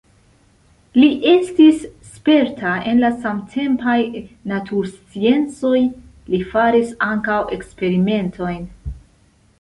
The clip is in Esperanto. Li estis sperta en la samtempaj natursciencoj, li faris ankaŭ eksperimentojn.